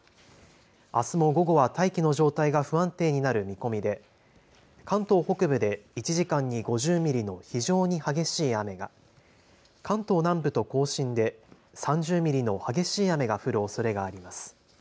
あすも午後は大気の状態が不安定になる見込みで関東北部で１時間に５０ミリの非常に激しい雨が、関東南部と甲信で３０ミリの激しい雨が降るおそれがあります。